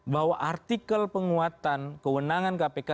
bahwa artikel penguatan kewenangan kpk